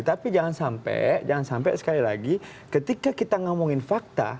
tapi jangan sampai jangan sampai sekali lagi ketika kita ngomongin fakta